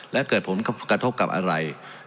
และเกิดผลกระทบกับอะไร